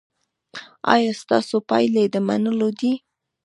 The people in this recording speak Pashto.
ایا ستاسو پایلې د منلو دي؟